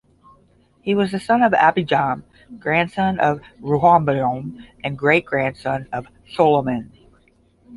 He was the son of Abijam, grandson of Rehoboam, and great-grandson of Solomon.